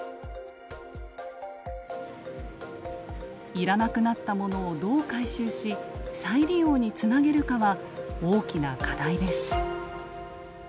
要らなくなったものをどう回収し再利用につなげるかは大きな課題です。